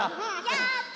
やった！